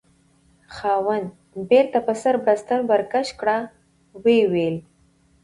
خاوند: بیرته په سر بړستن ورکش کړه، ویې ویل: